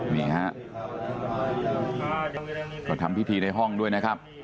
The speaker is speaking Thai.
นี่ฮะก็ทำพิธีในห้องด้วยนะครับ